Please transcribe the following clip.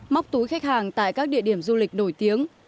móc túi khách hàng tại các địa điểm du lịch nổi tiếng